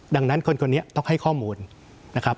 ดังนั้นคนคนนี้ต้องให้ข้อมูลนะครับ